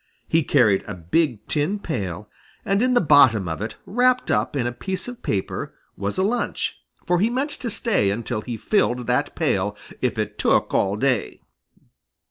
He carried a big tin pail, and in the bottom of it, wrapped up in a piece of paper, was a lunch, for he meant to stay until he filled that pail, if it took all day.